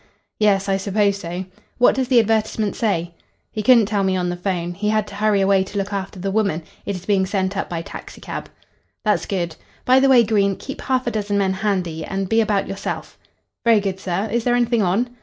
"Yes, I suppose so. What does the advertisement say?" "He couldn't tell me on the 'phone. He had to hurry away to look after the woman. It is being sent up by taxicab." "That's good. By the way, Green, keep half a dozen men handy, and be about yourself." "Very good, sir. Is there anything on?"